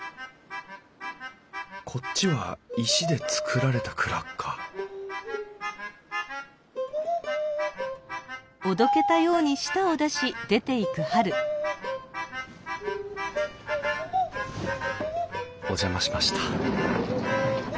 こっちは石で造られた蔵かお邪魔しました。